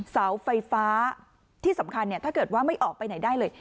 เสาไฟฟ้าที่สำคัญถ้าเกิดว่าไม่ออกไปไหนได้เลย